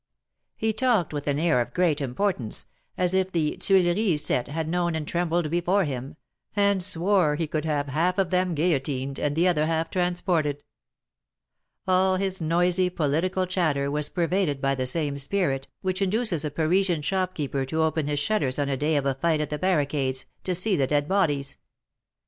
He talked with an air of great importance, as if the Tuileries set had known and trembled before him, and swore he could have half of them guillotined, and the other half transported. All his noisy, political chatter was pervaded by the same spirit, which induces a Parisian shop keeper to open his shutters on a day of a fight at the barricades, to see the dead bodies.